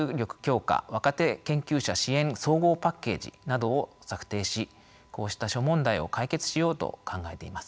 ・若手研究者支援総合パッケージなどを策定しこうした諸問題を解決しようと考えています。